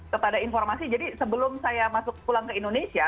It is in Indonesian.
kepada informasi jadi sebelum saya masuk pulang ke indonesia